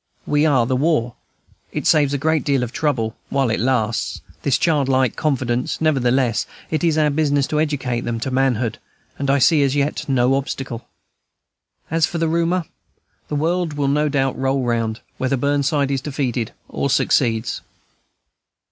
We are the war. It saves a great deal of trouble, while it lasts, this childlike confidence; nevertheless, it is our business to educate them to manhood, and I see as yet no obstacle. As for the rumor, the world will no doubt roll round, whether Burnside is defeated or succeeds.